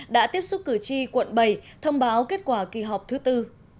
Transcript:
đã tiếp xúc cử tri quận bảy thông báo kết quả kỳ họp thứ tư